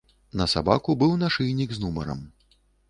На сабаку быў нашыйнік з нумарам.